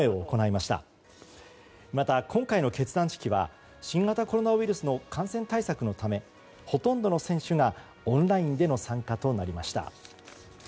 また、今回の結団式は新型コロナウイルスの感染対策のためほとんどの選手がオンラインでの参加となりました。